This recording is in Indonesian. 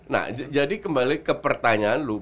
nah jadi kembali ke pertanyaan lu